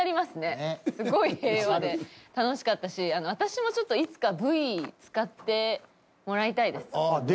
すごい平和で楽しかったし私もちょっといつかＶ使ってもらいたいです。